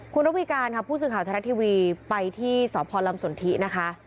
คุณรับวิการผู้ซื้อข่าวทะเลทีวีไปที่สพรรลำส่วนธินะคะ